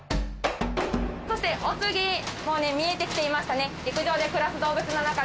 そしてお次もうね見えてきていましたね。